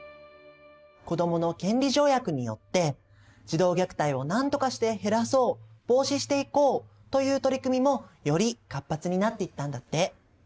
子どもの権利条約によって児童虐待をなんとかして減らそう防止していこうという取り組みもより活発になっていったんだって。